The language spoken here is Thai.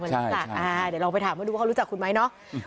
เดี๋ยวเราไปถามเขารู้จักคุณไหมเนาะ